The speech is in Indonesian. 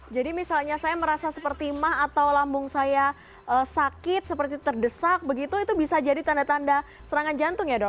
jadi misalnya saya merasa seperti mah atau lambung saya sakit seperti terdesak begitu itu bisa jadi tanda tanda serangan jantung ya dok